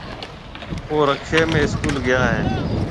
اُو رڪشيَ ۾ اسڪول گيا هيَ۔